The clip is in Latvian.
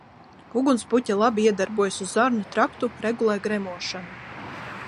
Ugunspuķe labi iedarbojas uz zarnu traktu, regulē gremošanu.